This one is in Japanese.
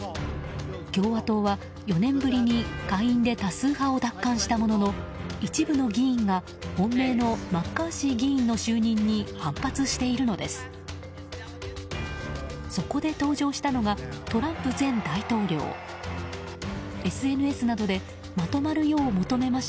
共和党は４年ぶりに下院で多数派を奪還したものの一部の議員が本命のマッカーシー議員の就任に反発しているのです。